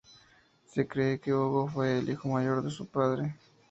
Se cree que Hugo fue el hijo mayor de su padre.